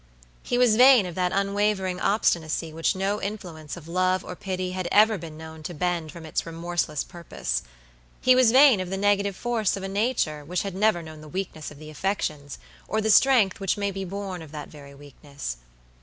He was vain of that unwavering obstinacy which no influence of love or pity had ever been known to bend from its remorseless purpose. He was vain of the negative force of a nature which had never known the weakness of the affections, or the strength which may be born of that very weakness.